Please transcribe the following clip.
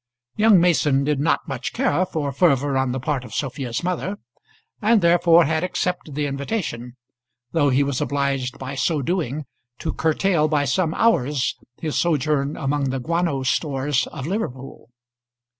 Young Mason did not much care for fervour on the part of Sophia's mother, and therefore had accepted the invitation, though he was obliged by so doing to curtail by some hours his sojourn among the guano stores of Liverpool.